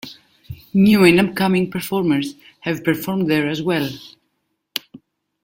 New and upcoming performers have performed there as well.